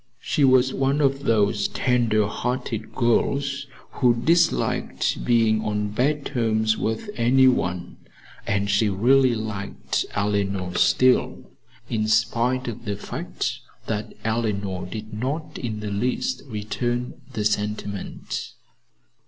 She was one of those tender hearted girls who disliked being on bad terms with any one, and she really liked Eleanor still, in spite of the fact that Eleanor did not in the least return the sentiment.